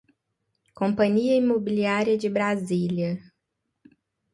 Companhia Imobiliária de Brasília